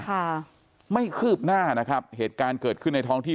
ค่ะไม่คืบหน้านะครับเหตุการณ์เกิดขึ้นในท้องที่